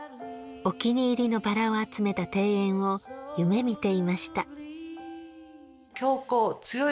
お気に入りのバラを集めた庭園を夢見ていました。